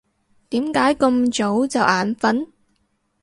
點解咁早就眼瞓？